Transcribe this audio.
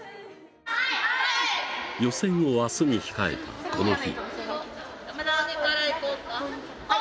予選を明日に控えたこの日。